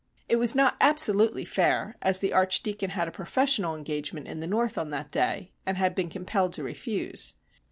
It was not absolutely fair, as the Archdeacon had a professional engagement in the North on that day, and had been compelled to refuse.